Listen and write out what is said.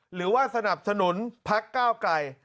หรือว่าสนับสนุนพักก้าวไกล